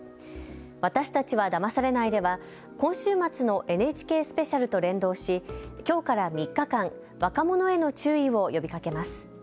私たちはだまされないでは今週末のＮＨＫスペシャルと連動し、きょうから３日間、若者への注意を呼びかけます。